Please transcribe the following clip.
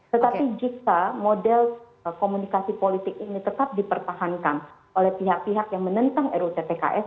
tetapi jika model komunikasi politik ini tetap dipertahankan oleh pihak pihak yang menentang rutpks